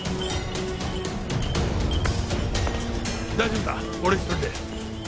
大丈夫だ俺一人で。